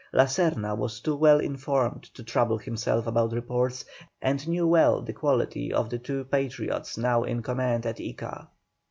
La Serna was too well informed to trouble himself about reports, and knew well the quality of the two Patriots now in command at Ica.